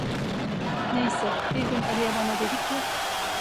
Neyse, bir gün Aliye bana dedi ki: